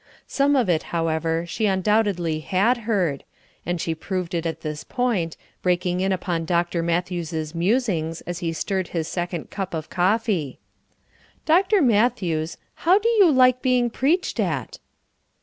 Some of it, however, she undoubtedly had heard, and she proved it at this point, breaking in upon Dr. Matthews' musings as he stirred his second cup of coffee: "Dr. Matthews, how do you like being preached at?"